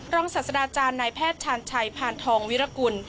ศาสตราจารย์นายแพทย์ชาญชัยพานทองวิรกุล